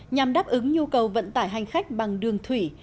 nhằm đáp ứng nhu cầu vận tải hành khách bằng đường thủy